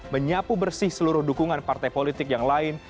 menyapu bersih seluruh dukungan partai politik yang lain